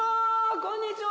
こんにちは！